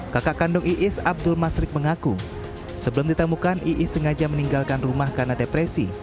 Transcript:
kakak kandung iis abdul masrik mengaku sebelum ditemukan iis sengaja meninggalkan rumah karena depresi